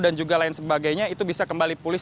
dan juga lain sebagainya itu bisa kembali pulih